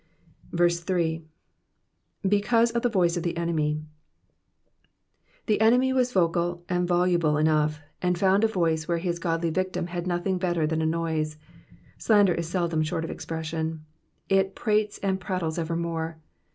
3. ''''Because of the toice of the enemy,''"' The enemy was vocal and voluble enough, and found a voice where his godly victim had nothing better than a noise.'' Slander is seldom short of expression, it prates and prattles evermore.